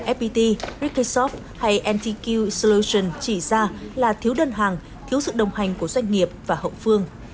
fpt rickhayshop hay ntq solution chỉ ra là thiếu đơn hàng thiếu sự đồng hành của doanh nghiệp và hậu phương